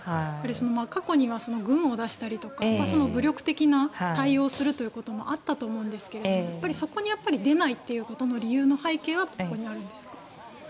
過去には軍を出したりとか武力的な対応をするということもあったと思うんですがそこに出ないということの理由の背景はここにあるんですか？